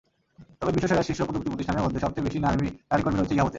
তবে বিশ্বসেরা শীর্ষ প্রযুক্তি প্রতিষ্ঠানের মধ্যে সবচেয়ে বেশি নারী কর্মী রয়েছে ইয়াহুতে।